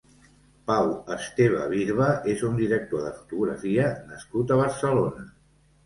Pau Esteve Birba és un director de fotografia nascut a Barcelona.